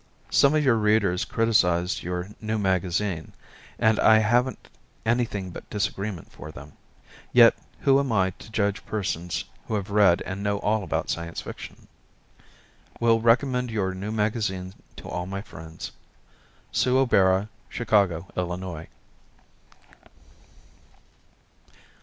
Some of our readers criticized your new magazine, and I haven't anything but disagreement for them. Yet, who am I, to judge persons who have read and know all about Science Fiction? Will recommend your new magazine to all my friends. Sue O'Bara, 13440 Barley Ave., Chicago, Illinois.